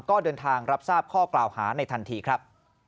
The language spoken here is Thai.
ก็เดินทางรับทราบข้อกล่าวหาในทันทีครับ